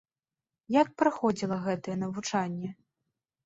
Як праходзіла гэтае навучанне?